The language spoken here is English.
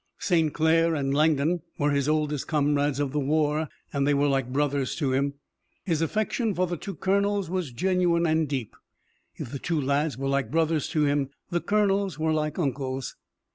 St. Clair and Langdon were his oldest comrades of the war, and they were like brothers to him. His affection for the two colonels was genuine and deep. If the two lads were like brothers to him, the colonels were like uncles.